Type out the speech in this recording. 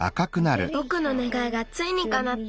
ぼくのねがいがついにかなった。